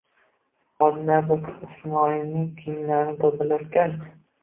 Odila bir kun Ismoilning kiyimlarini tozalarkan